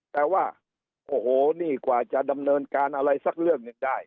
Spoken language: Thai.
แต่ว่าโอ้โหนี่กว่าจะดำเนินการอะไรสักเรื่องหนึ่งได้